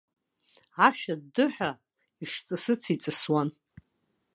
Ашә аддыҳәа ишҵысыцыз иҵысуан.